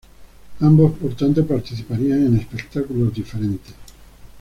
Ambos, por tanto, participarían en espectáculos diferentes.